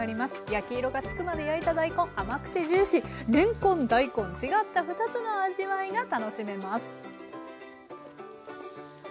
焼き色がつくまで焼いた大根甘くてジューシーれんこん大根違った２つの味わいが楽しめます。